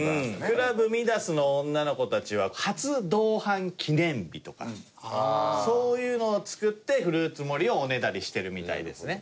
クラブミダスの女の子たちは初同伴記念日とかそういうのを作ってフルーツ盛りをおねだりしてるみたいですね。